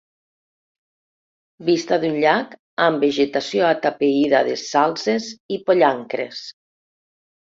Vista d'un llac amb vegetació atapeïda de salzes i pollancres.